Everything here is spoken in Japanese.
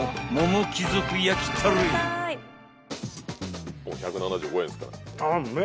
１本１７５円ですから。